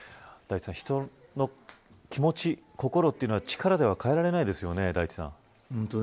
人の気持ち、心は力では変えられないですよね。